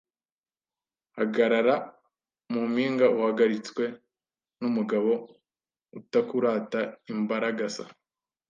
Hagarara mu mpinga uhagaritswe n'umugabo utakurutaImbaragasa